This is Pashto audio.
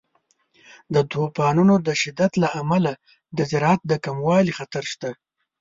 د طوفانونو د شدت له امله د زراعت د کموالي خطر شته.